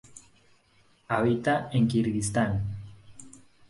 Habita en Kirguistán.